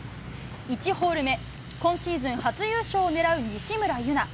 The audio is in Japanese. １ホール目、今シーズン初優勝を狙う西村優菜。